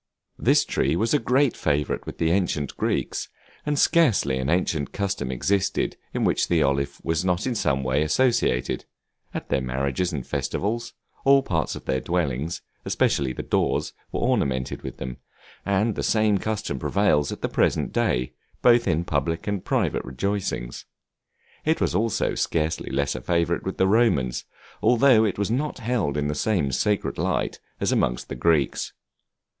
This tree was a great favorite with the ancient Greeks, and scarcely an ancient custom existed in which the olive was not in some way associated: at their marriages and festivals, all parts of their dwellings, especially the doors, were ornamented with them, and the same custom prevails at the present day, both in public and private rejoicings. It was also scarcely less a favorite with the Romans, although it was not held in the same sacred light as amongst the Greeks.